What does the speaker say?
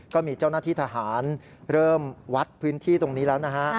ก็มีเจ้าหน้าที่ทหารเริ่มวัดพื้นที่ตรงนี้แล้วนะฮะ